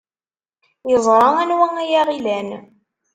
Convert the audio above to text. Yeẓra anwa ay aɣ-ilan.